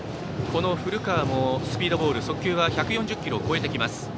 この古川もスピードボール速球は１４０キロを超えてきます。